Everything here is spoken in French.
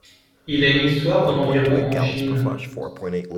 Il a une histoire d'environ en Chine.